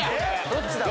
どっちだ？